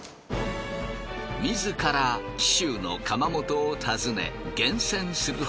自ら紀州の窯元を訪ね厳選するほど